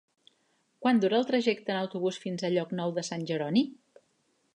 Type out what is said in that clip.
Quant dura el trajecte en autobús fins a Llocnou de Sant Jeroni?